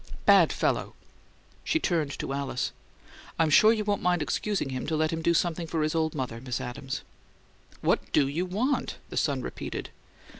"Bad fellow!" She turned to Alice. "I'm sure you won't mind excusing him to let him do something for his old mother, Miss Adams." "What DO you want?" the son repeated.